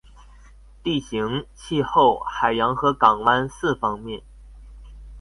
地形、氣候、海洋和港灣四方面